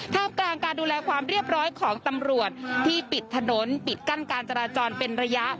กลางการดูแลความเรียบร้อยของตำรวจที่ปิดถนนปิดกั้นการจราจรเป็นระยะ